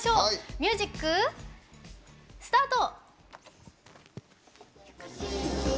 ミュージックスタート！